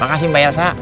makasih mbak elsa